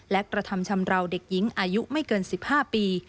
และกระทำชำราวเด็กหญิงอายุไม่เกิน๑๕ปี